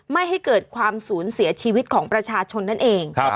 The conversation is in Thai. ไม่ให้เกิดความสูญเสียชีวิตของประชาชนนั่นเอง